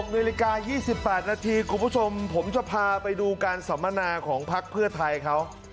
๑๖น๒๘นกลุ่มผู้ชมผมจะพาไปดูการสำนาค์ของพักเพื่อไทยเขา